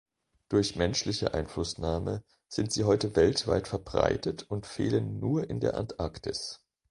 Durch menschliche Einflussnahme sind sie heute weltweit verbreitet und fehlen nur in der Antarktis.